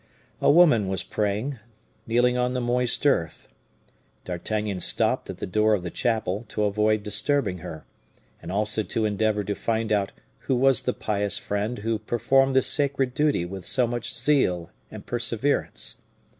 A woman was praying, kneeling on the moist earth. D'Artagnan stopped at the door of the chapel, to avoid disturbing her, and also to endeavor to find out who was the pious friend who performed this sacred duty with so much zeal and perseverance.